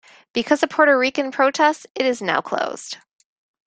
Because of Puerto Rican protests, it is now closed.